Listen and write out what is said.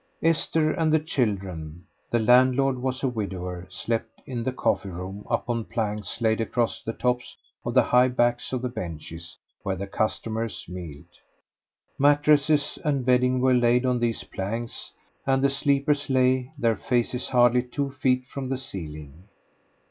Esther and the children the landlord was a widower slept in the coffee room upon planks laid across the tops of the high backs of the benches where the customers mealed. Mattresses and bedding were laid on these planks and the sleepers lay, their faces hardly two feet from the ceiling.